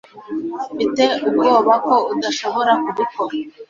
mfite ubwoba ko udashobora kubikora